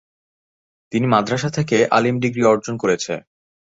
তিনি মাদ্রাসা থেকে আলিম ডিগ্রি অর্জন করেছে।